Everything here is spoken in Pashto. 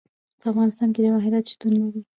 په افغانستان کې جواهرات شتون لري.